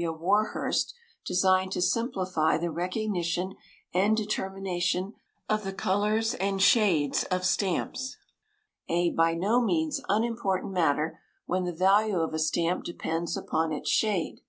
W. Warhurst, designed to simplify the recognition and determination of the colours and shades of stamps a by no means unimportant matter when the value of a stamp depends upon its shade.